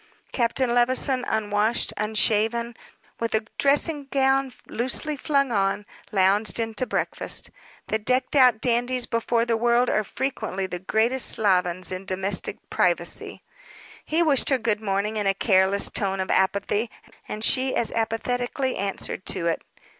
Captain Levison, unwashed, unshaven, with a dressing gown loosely flung on, lounged in to breakfast. The decked out dandies before the world are frequently the greatest slovens in domestic privacy. He wished her good morning in a careless tone of apathy, and she as apathetically answered to it.